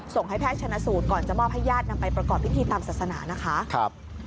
ส่งให้แพทย์ชนะสูตรก่อนจะมอบให้ญาตินำไปประกอบพิธีตามศาสนานะคะ